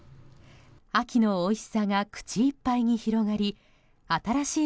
秋のおいしさが口いっぱいに広がり新しい